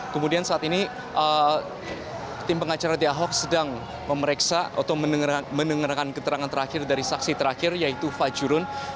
kemudian saat ini tim pengacara di ahok sedang memeriksa atau mendengarkan keterangan terakhir dari saksi terakhir yaitu fajurun